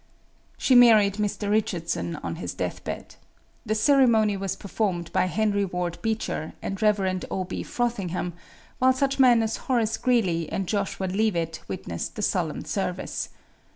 She married Mr. Richardson on his deathbed. The ceremony was performed by Henry Ward Beecher and Rev. O.B. Frothingham, while such men as Horace Greeley and Joshua Leavitt witnessed the solemn service.